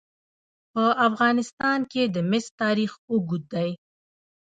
په افغانستان کې د مس تاریخ اوږد دی.